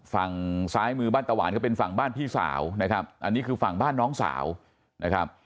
ฝั่งซ้ายมือบ้านตะหวานก็เป็นฝั่งบ้านพี่สาวนะครับอันนี้คือฝั่งบ้านน้องสาวนะครับ